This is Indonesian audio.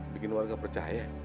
bikin warga percaya